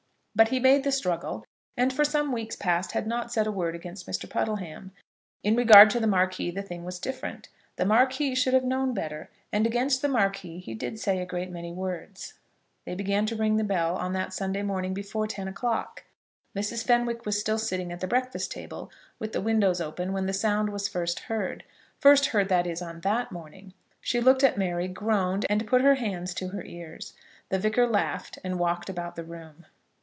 But he made the struggle, and for some weeks past had not said a word against Mr. Puddleham. In regard to the Marquis the thing was different. The Marquis should have known better, and against the Marquis he did say a great many words. They began to ring the bell on that Sunday morning before ten o'clock. Mrs. Fenwick was still sitting at the breakfast table, with the windows open, when the sound was first heard, first heard, that is, on that morning. She looked at Mary, groaned, and put her hands to her ears. The Vicar laughed, and walked about the room.